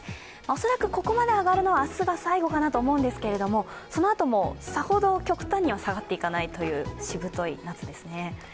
恐らくここまで上がるのは明日が最後かなと思うんですけども、そのあともさほど極端には下がっていかないというしぶとい空気ですね。